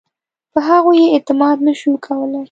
په هغوی یې اعتماد نه شو کولای.